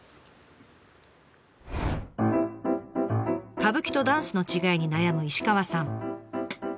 歌舞伎とダンスの違いに悩む石川さん。